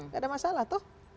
gak ada masalah tuh